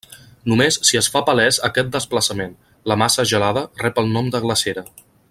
Només si es fa palès aquest desplaçament, la massa gelada rep el nom de glacera.